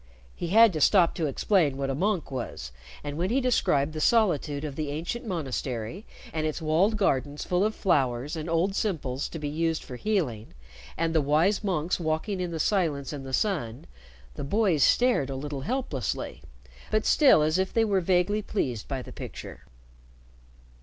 He had to stop to explain what a monk was, and when he described the solitude of the ancient monastery, and its walled gardens full of flowers and old simples to be used for healing, and the wise monks walking in the silence and the sun, the boys stared a little helplessly, but still as if they were vaguely pleased by the picture.